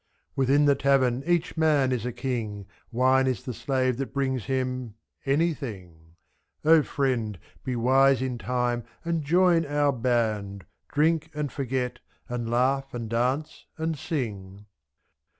Within the tavern each man is a king, Wine is the slave that brings him — anything ; /7' O friend, be wise in time and join our band. Drink and forget, and laugh and dance and sing.